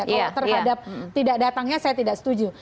kalau terhadap tidak datangnya saya tidak setuju